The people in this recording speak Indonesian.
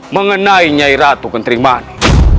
mengenai nyai ratu kentrimani